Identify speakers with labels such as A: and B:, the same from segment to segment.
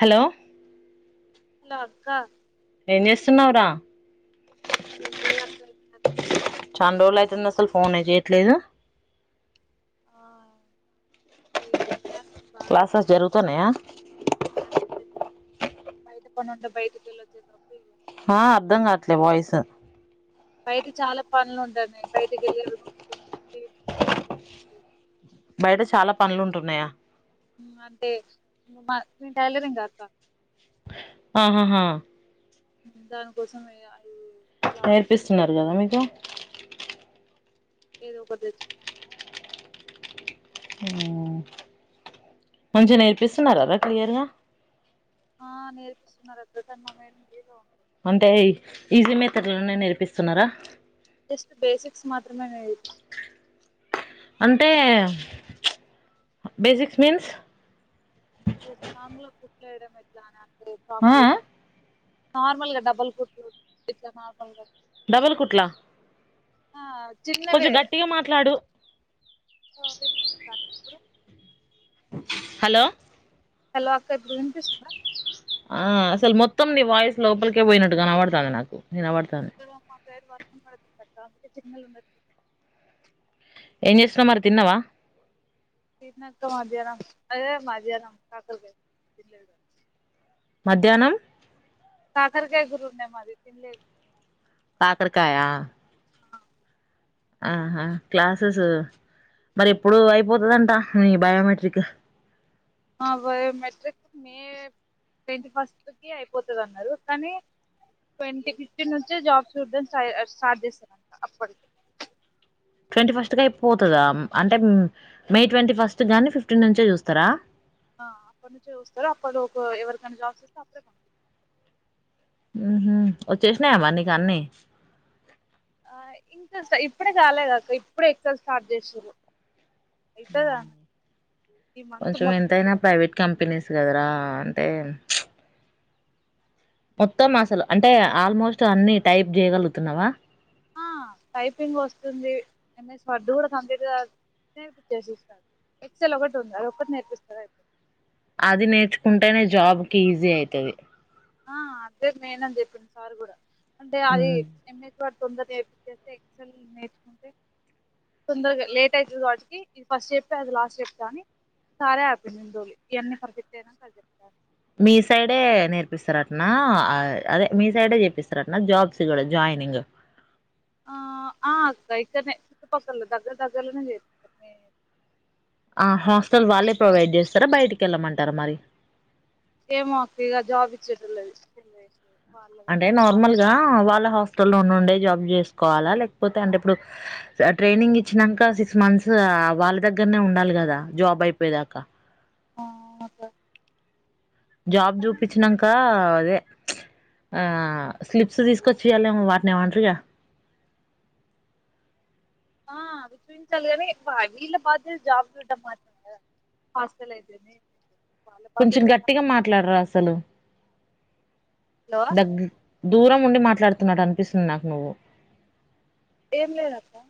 A: Hello
B: hello అక్క
A: ఏం చేస్తున్నావరా
B: ఇజ నాకు అయ్యి
A: నిన్ను అసలు ఫోనే చేయట్లేదు
B: గ్లాసస్ బాగేదు
A: క్లాసెస్ జరుగుతున్నాయా
B: బయట పని ఉంటే బయటకి వెళ్ళు వచ్చే లోపి
A: ఆ అర్ధం కాట్లే వాయిస్
B: బయట చాలా పనులు ఉంటాన్నాయి బయటకెళ్ళి చేయించు
A: బయట చాలా పనులుంటున్నాయా
B: అంటే ఉ మా టైలరింగ్ అక్క
A: ఆహాహా
B: దానికోసం వేయాలి
A: నేర్పిస్తున్నారు గదా మీకు
B: ఏదో ఒకటి దెచ్చు
A: ఉ మంచిగా నేర్పిస్తున్నారా రా క్లియర్ గా
B: ఆ నేర్పిస్తున్నారు అద్దతర్మా మేడం ఏదో
A: అంటే ఈజీ మేతరులోనే నేర్పిస్తున్నారా
B: జస్ట్ బేసిక్స్ మాత్రమే నేర్స్
A: అంటే బేసిక్స్ మీన్స్
B: అదే నాకులకు కేడం ఎట్లానా గేట్
A: ఆ
B: ఫామ్స్
A: ఆ
B: గొట్టడం నార్మల్ గా డబల్ కుట్టు ఇట్ల నార్మల్గా
A: డబల్ కుట్లా కొంచెం
B: చిన్నవే
A: గట్టిగా మాట్లాడు హలో
B: హలో అక్కే ఎపుడు వినిపిస్తుందా
A: ఆ అసలు మొత్తం నీ వాయిస్ లోపలికే పోయినట్టుగాని పడుతుంది నాకు నేనబడుతాను
B: ఈ సైడ్ వాష్ర పడుతుంద అందు సిగ్నల్ ఉన్నట్
A: ఏం చేస్తున్నా మరి తిన్నావా
B: తన్నక మధ్యానం అదే మధ్యాహ్నం కకర్గా
A: దినం
B: కాకరికాయ గురువునే మాది తంలేదు
A: పాకరకాయ ఆహా క్లాసెస్ మరి ఎప్పుడు అయిపోతుందంట న బయోమెట్రిక్
B: ఆ biometric May twenty first కి అయిపోతుంది అన్నారు కానీ ట్వంటీ ఫిఫ్టీన్ నుంచి జాబ్ చూడని సా సాధిస్తారంట అప్పటికి
A: ట్వంటీ ఫస్ట్ గా అయిపోతుందా అంటే మే ట్వంటీ ఫస్ట్ గాని ఫిఫ్టీన్ నుంచే చూస్తారా
B: అప్పటి నుంచే చూస్తారు అప్పడు ఒక ఎవరికైనా జాబ్స్ చేస్తే అప్పుడే పంపిస్తారు
A: ఉహు వచ్చేసినాయా మరి నీకు అన్ని
B: ఆ ఇంకా స్ట ఇప్పుడే గాలేదు అక్క ఇప్పుడే ఎగ్జామ్ స్టార్ట్ చేసిర్రు
A: కొంచెం ఎంతైనా ప్రైవేట్ కంపెనీస్ గదరా అంటేన్ మొత్తం అసలు అంటే ఆల్మోస్ట్ అన్ని టైప్ చేయగలుగుతున్నావా
B: ఆ టైపింగ్ వస్తుంది ఎంఎస్ వడు కూడా కంప్లీట్ గా నేర్పిచేసిస్తారు ఎక్సల్ ఒకటి ఉంది అది ఒకటి నేర్పిస్తారు అయితుంది
A: అది నేర్చుకుంటేనే జాబ్ కి ఈజీ అయితది
B: ఆ అదే మెయిన్ అని చెప్పింది సార్ కూడా అంటే అది
A: ఉమ్.
B: ఎ తొందర నేర్పించేస్తే ఎక్సల్ నేర్చుకుంటే తొందరగా లేట్ అవుతుంది వాటికి ఇది ఫస్ట్ చెప్పి అది లాస్ట్ చెప్ని సాలే హ్యాపీనిందుో ఇవన్నీ పర్ఫెక్ట్ అయినా అది చెప్తారు
A: మీ సైడే నేర్పిస్తారటన అదే మీ సైడే చేపిస్తారట జాబ్స్ కూడా జాయినింగ్
B: ఆ ఆ అక్క ఇక్కడనే చుట్టుపక్కల దగ్గర దగ్గరలోనే చే మీ
A: ఆ హాస్టల్ వాళ్ళే ప్రొవైడ్ చేస్తారా బయటికి వెళ్ళమంటారా మరి
B: ఏమకు ఇక జాబ్ ఇచ్చిట్లే
A: అంటే నార్మల్ గా వాళ్ళ హాస్టల్ లో ఉండే జాబ్ చేసుకోవాలా లేకపోతే అంటే ఇప్పుడు ట్రైనింగ్ ఇచ్చినాక సిక్స్ మంత్స్ వాళ్ళ దగ్గరనే ఉండాలి కదా జాబ్ అయిపోయదాకా
B: ఆ స
A: జాబ్ చూపించినాక ఆ స్లిప్స్ తీసుకోచి ఎవలేమో వాటిని ఆర్డర్ గా
B: ఆ అది చూపించాలి కానీ వీళ్ళ బాధ్యతలు జాబ్ చూడ్డం మాత్రే కదా హాస్టల్ అయితేంది
A: కొంచెం గట్టిగా మాట్లాడరు అసలు దగ్ దూరం ఉండి మాట్లాడుతున్నాట్ అనిపిస్తుంది నాకు నువ్వు
B: ఏం లేదప్పా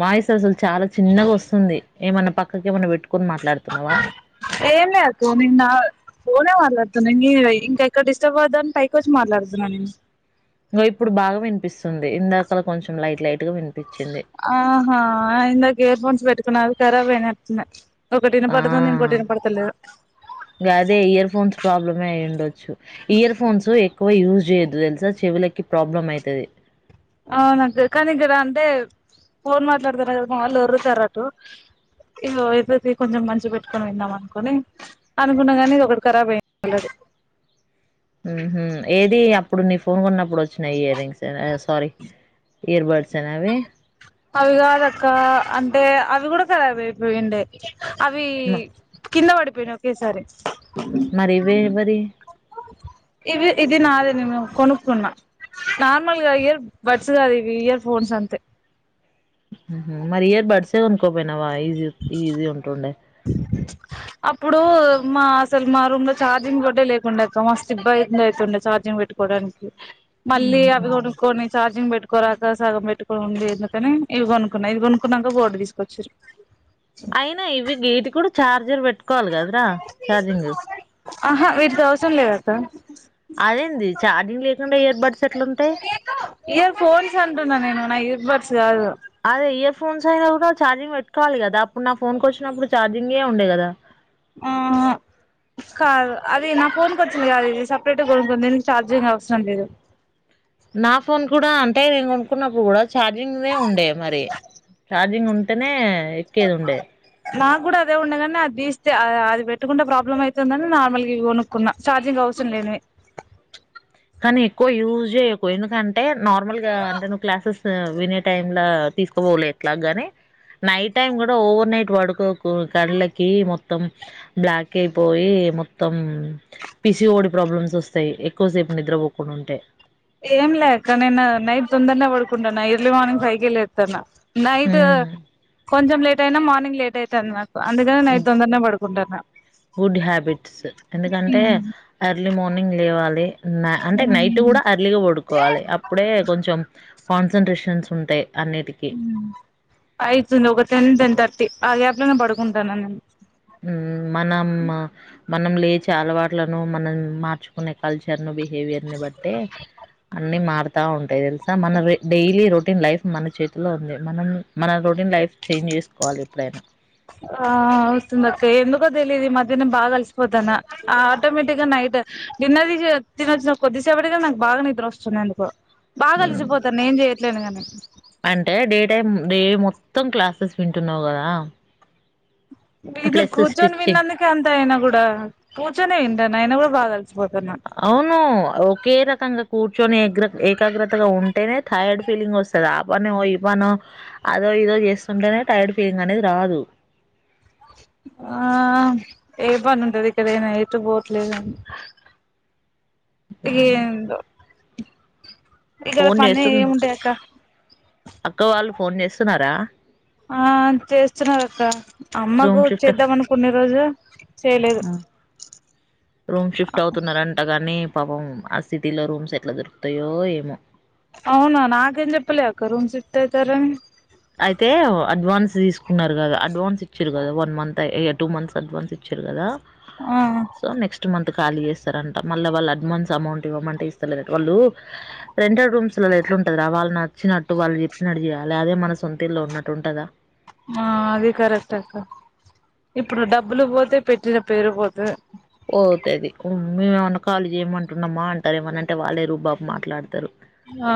A: వాయస్ అసలు చాలా చిన్నగా వస్తుంది ఏమన్నా పక్కక ఏమన్నా పెట్టుకొని మాట్లాడుతున్నావా
B: ఏం ఇంకా ఎక్కడ డిస్టర్బ్ అవుద్దాని పైకి వచ్చి మాట్లాడుతున్నా నేను
A: ఇం ఇప్పుడు బాగా వినిపిస్తుంది ఇందాక కొంచెం లైట్ లైట్ గా వినిపించింది
B: ఆ హా ఎందుకు ఎయిర్ ఫోన్స్ పెట్ నావి కరాబ్ అయినట్టునై
A: ఆ గదే ఇయర్ ఫోన్స్ ప్రాబ్లమ అయ్యి ఉండొచ్చు. ఇయర్ ఫోన్స్ ఎక్కువ యూజ్ చెయొదు తెల్సా చెవులకి ప్రాబ్లం అయితది.
B: అవునక్క కానీ ఇక్కడ అంటే ఫోన్ మాట్లాడుతరు మా వాళ్ళు ఒర్లుతారు అటు, ఇవి అయిదైతే కొంచెం మంచిగా పెట్టుకొని విన్నాం అనుకొని, అనుకున్న కానీ ఒకటి ఖరాబ్ అయింది ఆల్రెడీ.
A: హ్మ్ హు ఏది అప్పుడు నీ ఫోన్ కొన్నప్పుడు వచ్చినాయి ఇయర్ రింగ్స్ సారీ ఇయర్ బడ్సేనా అవి?
B: అవి కాదక్క అంటే అవి కూడా ఖరాబ్ అయిపోయిండే. అవీ కింద పడిపోయినై ఒకేసారి.
A: మరి ఇవే మరి
B: ఇవి ఇది నాదే నేను కొనుక్కున్నా నార్మల్గా ఇయర్ బడ్స్ కాదు ఇవి ఇయర్ ఫోన్స్ అంతే.
A: హ్మ్ హు మరి ఇయర్ బర్డ్స్ కొన్కోపోయిన వా ఈజీ ఈజీ ఉంటుండే.
B: అప్పుడూ మా అసలు మారూమ్ లో ఛార్జింగ్‌ బోర్డే లేకుండే అక్క మస్త్ ఇబ్బంది అయితుండే ఛార్జింగ్ పెట్టుకోవడానికి. మళ్లీ అవి కొనుక్కోని చార్జింగ్ బెట్ కొరాక సాగం పెట్టుకుని ఉండి ఎందుకని ఇవి కొనుక్కున్నా ఇది కొనుకున్నాక బోర్డు తీసుకొచ్చీరు
A: అయినా ఇవి గీటికూడా చార్జర్ పెట్ ట్టుకోవాలి కదారా చార్జింగు
B: అహా వీటికి అవసరం‌ లేదక్కా.
A: అదేంది చార్జింగ్ లేకుండా ఇయర్బర్డ్స్ ఎట్లుంటయ్?
B: ఈబర్డ్స్ గాదు.
A: అదే ఇయర్ఫోన్స్ చైనా కూడా చార్జింగ్ పెట్కోవాలి కదా, అప్పుడు నా ఫోన్కి వచ్చినప్పుడు‌ చార్జింగే ఉండే కదా.
B: ఆ అ కాదు అది నా ఫోన్కి వచ్చింది కాదు. ఇది సపరేట్గా కొనుక్కుంది దీనికి ఛార్జింగ్ అవసరం లేదు.
A: నా ఫోన్ కూడ అంటే నేను కొనుక్కున్నప్పుడు కూడ చార్జింగ్వే ఉండే మరి చార్ జింగ్ ఉంటేనే ఎక్కేదుండే.
B: నాక్కూడ అదే ఉండే గానీ అది తీస్తే అ అ అది పెట్టుకుంటే ప్రాబ్లం అయితుందని నార్మల్గా ఇవి కొనుక్కున్న చార్జింగ్ అవసరం లేనివి.
A: కానీ ఎక్కువ యూజ్చేయకు ఎందుకంటే నార్మల్గా అంటే నువ్వు క్లాసెస్ వినే టైంలా తీసుకోపోవులే ఎట్ల గాని, నైట్ టైం కూడా ఓవర్ నైట్ పడుకోకు కళ్ళకి మొత్తం బ్లాక్ అయిపోయి మొత్తం P C O D problems వస్తాయి. ఎక్కువసేపు నిద్రపోకుండ ఉంటే
B: ఏం లేదక్క నేను నైట్ తొందర్నే పడుకుంటున ఎర్లీ మార్నింగ్ ఫై కే లేత్తున్న. నైటు
A: ఉమ్
B: కొంచెం లేట్ అయినా మార్నింగ్ లేట్ అయితాంది నాకు అందుకని నైట్ తొందర్నే పడుకుంటన్నా.
A: గుడ్
B: మ్మ్
A: ర్లీ మార్నింగ్ లేవాలి. న అంటే నైట్ కూడా అర్లీగా పడుకోవాలి. అప్పుడే కొంచెం కాన్సన్ట్రేషన్స్ ఉంటయి
B: హ్మ్ అయితుంది ఒక టెన్, టెన్ థర్టీ. ఆ గ్యాప్లోనే పడుకుంటాన్న నేను.
A: హ్మ్ మనం మనం లేచే అలవాట్లను మనం మార్చుకునే కల్చర్ను బి హేవియర్ని బట్టే అన్ని మారు తా ఉంటాయి తెలుసా మన డైలీ రొటీన్ లైఫ్ మన చేతిలో ఉంది మనం మన రొటీన్ లైఫ్ చేంజ్ చేసుకోవాలి ఎప్పుడైనా
B: ఆ వస్తుంది అక్క ఎందుకో తెలియదు ఈ మధ్యన బాగా అలసిపోతన్న ఆటోమేటిక్ గా నైట్ డిన్నర్ తినొచ్చిన కొద్దిసేపటికే నాకు బాగా నిద్రొస్తుంది ఎందుకో
A: ఉమ్,
B: బాగలిసిపోతాను ఏం చేయత్ ట్లైన కానీ
A: అంటే డే టైమ్ డే మొత్తం క్లాసెస్ వింటున్నావు కదా
B: గిట్ల
A: ప్లస్
B: కూర్చొని
A: స్టిచ్చింగ్
B: విన్నందుకే అంత అయినమ్ కూడా కూర్చొనే వింటాను అయినా కూడా బాగా అలిసిపోతున్నా
A: అవును ఒకే రకంగ కూర్చొని ఏగ్ర ఏకాగ్రతగా ఉంటేనే టైర్డ్ ఫీలింగ్ వస్తుంది ఆ పనో ఈ పనో అదో ఇదో చేస్తుంటేనే టైర్డ్ ఫీలింగ్ అనేది రాదు
B: ఆ ఏ పని ఉంటది ఇక్కడైనా ఎటు పోవట్లేదుండి ఏందో ఇక్కడ
A: ఫోన్
B: పన్న
A: జేస్తున్
B: ఏం ఉంటాయక్క
A: అక్క వాళ్ళు ఫోన్ చేస్తున్నారా
B: ఆ చేస్తున్నారక్క
A: రూమ్
B: అమ్మకు
A: షిఫ్ట్
B: చేద్దామనికొనే రోజు చేయలేదు
A: ఆ! రూమ్ షిఫ్ట్ అవుతున్నారంట గానీ పాపం ఆ సిటీలో రూమ్స్ ఎట్లా దొరుకుతాయో ఏమో
B: అవునా నాకేం చెప్పలే అక్క రూమ్ సిఫ్ట్ అయితారని
A: అయితే అడ్వాన్స్ తీసుకున్నారు కదా అడ్వాన్స్ ఇచ్చిరు కదా one month two months advance ఇచ్చిర్రు కదా
B: ఆ
A: సో నెక్స్ట్ మంత్ కాలి చేస్తారంట మళ్ళ వాళ్ళు అడ్వాన్స్ అమౌంట్ ఇవ్వమంటే ఇస్తాలేదంట వాళ్ళు రెంటెడ్ రూమ్స్లలో ఎట్లు ఉంటది రా వాళ్ళ నా వచ్చినట్టు వాళ్ళ చెప్పినట్టుచేయాలి అదే మనసు సొంతీల్లో ఉన్నట్టుంటందా
B: ఆ అది కరెక్ట్ అక్క ఇప్పుడు డబ్బులు పోతే పెట్టిన పేరు పోతది
A: పోతది మేమెమన్నా కాలీ చేయమంటున్నామా అంటారు ఏమనంటే వాళ్ళే రుబాబు మాట్లాడతారు
B: ఆ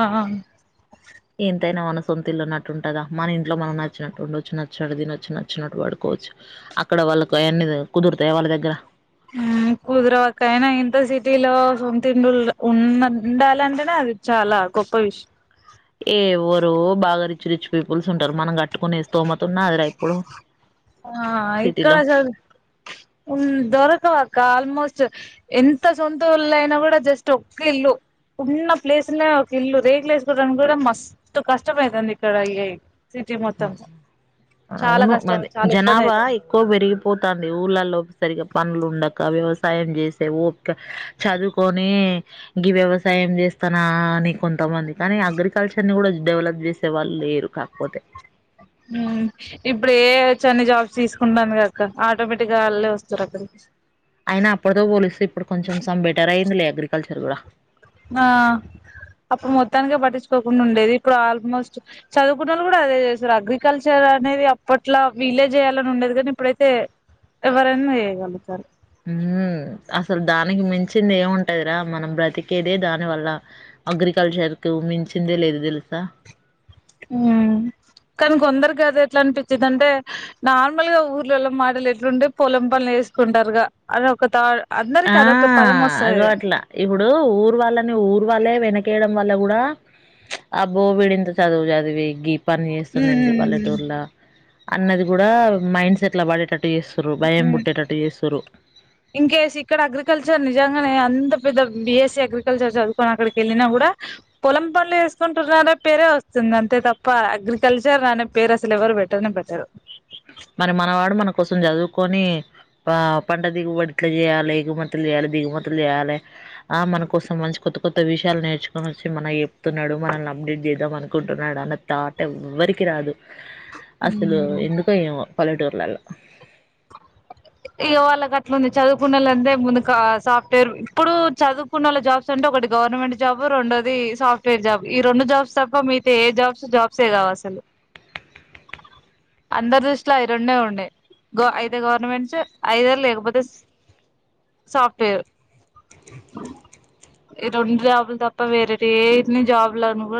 A: ఎంతైనా మన సొంతిల్ల్లో ఉన్నట్టుంటదా మన ఇంట్లో మనం నచ్చినట్టు ఉండొచ్చు నచ్చినట్టు దీని వచ్చి నచ్చినట్టు పడుకోవచ్చు అక్కడ వాళ్ళకి అవన్ని కుదురుతాయ వాళ్ళ దగ్గర
B: మ్మ్ కుదరవక్క అయినా ఇంత సిటీలో సొంతిడ్లు ఉన్ ఉండాలంటేనే అది చాలా గొప్ప విషయం
A: ఏ ఎవరు బాగా రిచ్ రిచ్ పీపుల్స్ ఉంటారు మనం కట్టుకొనిస్తోమతున్నాది రా ఇప్పుడు
B: ఆ ఇక్కడ
A: సిటీలో
B: చ ఉన్ దొరకవక్క ఆల్మోస్ట్ ఎంత సొంత ఊళ్ళో అయినా కూడా జస్ట్ ఒక్క ఇల్లు ఉన్న ప్లేస్నే ఒక ఇల్లు రేక్లేసుకోవడానికి కూడా మస్తు కష్టమవుతుంది ఇక్కడ అయ సిటీ మొత్తం చాలా
A: అవును
B: కష్టం
A: మరి
B: చాలా ఇబ్బంది
A: జనాభా
B: అయితుంది
A: ఎక్కువ పెరిగిపోతంది ఊళ్ళలో సరిగా పనులు ఉండక వ్యవసాయం చేసే చదువుకొని గి వ్యవసాయం చేస్తానా అని కొంతమంది కానీ అగ్రికల్చర్ ని కూడా డెవలప్ చేసే వాళ్ళు లేరు కాకపోతే
B: మ్మ్ ఇప్పుడు ఏ ఐ వచ్చి అన్ని జాబ్స్ తీసుకుంటాను గ ఆటోమేటిక్గా వాళ్ళే వస్తారు అక్కడికి
A: అయిన అప్పటితో పోలిస్తే ఇప్పుడు కొంచెం సం బెటర్ అయింది అగ్రి కల్చర్ కూడా
B: ఆ అప్పుడు మొత్తానికి పట్టించుకోకుండా ఉండేది ఇప్పుడు ఆల్మోస్ట్ చదువుకున్నలు కూడా అదే చేస్తురు అగ్రికల్చర్ అనేది అప్పట్లా విలేజ్ చేయాలని ఉండేది కానీ ఇప్పుడైతే ఎవరైనా చేయగలుగుతారు
A: హ్మ్ అసలు దానికి మించింది ఏముంటదిరా మనం బ్రతికేదే దాని వల్ల అగ్రికల్చర్ కు మించిందే లేదు తెలుసా
B: హ్మ్ కానీ కొందరిగాద ఎట్లా అనిపించిదింటే నార్మల్ గా ఊర్లలో మాటలు ఎట్లుంటే పొలం పనులు వేసుకుంటారుగా అది ఒక తా
A: ఆ
B: అందరికి అదొక పదం
A: అగో
B: వస్తది
A: అట్లా ఇప్పుడు ఊరు వాళ్ళని ఊరు వాళ్ళే వెనకి చేయడం వల్ల కూడా అబ్బో విడింత చదువు చదివి గీ పని
B: ఉమ్
A: చేస్తుందున్నది
B: ఉమ్
A: పల్లెటూర్ల అన్నది కూడా మైండ్ సెట్లా పడేటట్టు చేస్తురు భయం పుటిటట్టు చేస్తురు
B: ఇంకేసి ఇక్కడ అగ్రికల్చర్ నిజంగానే అంత పెద్ద బిఎస్సి అగ్రికల్చర్ చదువుకొని అక్కడికి వెళ్ళినా కూడా పొలం పనులు చేసుకుంటుర్రు పేరే వస్తుంది. అంతే తప్ప అగ్రికల్చర్ అనే పేరు అసలు ఎవరు పేట్టనే పెట్టారు.
A: మరి మనవాడు మన కోసం చదువుకొని, పంట దిగుబడి ఇట్లా చేయాలి, ఎగుమతులు చేయాలి దిగుమతులు చేయాలి ఆ మనకోసం మంచి కొత్త కొత్త విషయాలు నేర్చుకొని వచ్చి మన చెప్తున్నాడు మనల్ని అప్డేట్ చేద్దాం అనుకుంటున్నాడు. అన్న తాట్ ఎవ్వరికి రాదు. అసలు ఎందుకు పల్లెటూర్లాలో
B: ఇగో వాళ్ళకి అట్లా ఉంది చదువుకున్నోళ్లు అంతే ముందు కా సాఫ్ట్వేర్ ఇప్పుడు చదువుకున్నోళ్లు జాబ్స్ అంటే ఒకటి గవర్నమెంట్ జాబ్ రెండోది సాఫ్ట్వేర్ జాబ్ ఈ రెండు జాబ్స్ తప్ప మిగితే ఏ జాబ్స్ జాబ్సే కావు అసలు, అందరి దృష్టిలో అవి రెండే ఉండే అయితే గవర్నమెంట్ చ్ ఐదార్ లేకపోతే సాఫ్ట్వేర్ ఈ రెండు జాబులు తప్ప వేరేటి ఎటిని జాబులు అని కూడా